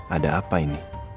ada apa ini